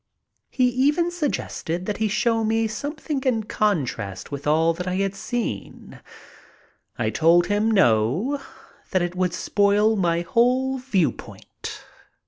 He even suggested that he show me something in contrast with all I had seen. I told him no, that it would spoil my whole viewpoint.